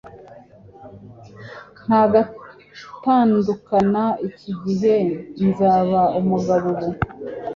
Nta gutandukana iki gihe nzaba umugabo ubu